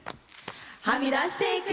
はみだしていく。